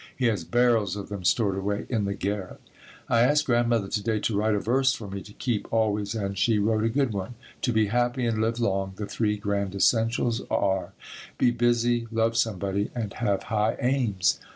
He has barrels of them stored away in the garret. I asked Grandmother to day to write a verse for me to keep always and she wrote a good one: "To be happy and live long the three grand essentials are: Be busy, love somebody and have high aims."